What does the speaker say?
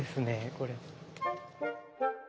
これ。